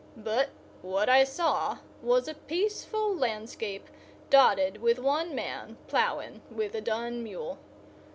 But what I saw was a peaceful landscape dotted with one man ploughing with a dun mule.